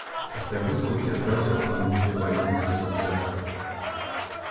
Пасля выстаўкі адразу апынуўся ў бальніцы з-за сэрцы.